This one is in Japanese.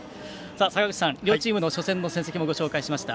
坂口さん、両チーム初戦の成績もご紹介しました。